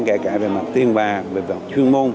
kể cả về mặt tiền và về mặt chuyên môn